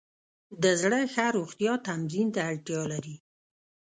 د زړه ښه روغتیا تمرین ته اړتیا لري.